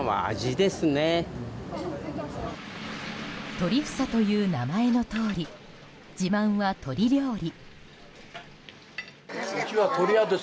鳥房という名前のとおり自慢は、鳥料理。